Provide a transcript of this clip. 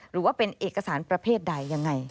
หรือว่าเป็นเอกสารประเภทใดยังไง